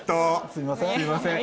すいません。